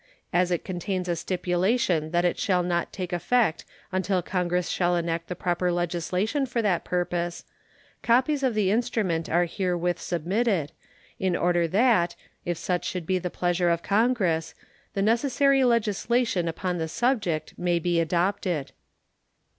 As it contains a stipulation that it shall not take effect until Congress shall enact the proper legislation for that purpose, copies of the instrument are herewith submitted, in order that, if such should be the pleasure of Congress, the necessary legislation upon the subject may be adopted.